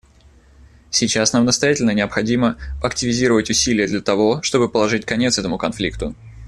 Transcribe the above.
Сейчас нам настоятельно необходимо активизировать усилия для того, чтобы положить конец этому конфликту.